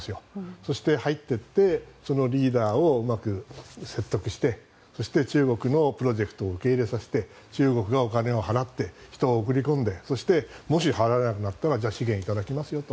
そして、入っていってそのリーダーをうまく説得してそして、中国のプロジェクトを受け入れさせて中国がお金を払って人を送り込んでそして、もし払えなくなったら資源を頂きますよと。